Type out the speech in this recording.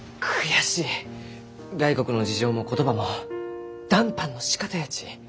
外国の事情も言葉も談判のしかたやち